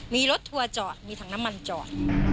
มีรถทัวร์จอดมีถังน้ำมันจอด